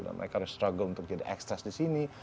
dan mereka harus struggle untuk jadi extras di sini